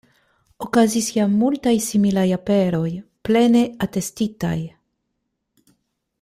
Okazis ja multaj similaj aperoj, plene atestitaj.